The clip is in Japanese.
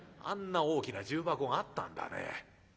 あんな大きな重箱があったんだね。